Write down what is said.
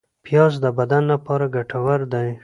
پیاز د بدن لپاره ګټور دی